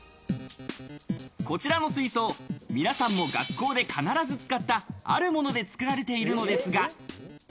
こちらの水槽、皆さんも学校で必ず使ったあるもので作られているのですが。